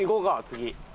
次。